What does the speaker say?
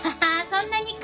そんなにか。